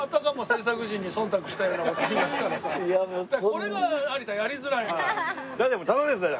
これが有田やりづらいのよ。